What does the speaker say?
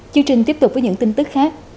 chương trình tiếp tục với những tin tức khác